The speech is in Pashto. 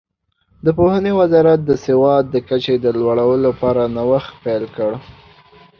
د پوهنې وزارت د سواد د کچې د لوړولو لپاره نوښت پیل کړ.